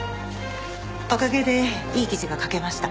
おかげでいい記事が書けました。